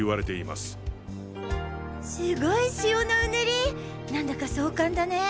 すごい潮のうねりなんだか壮観だね。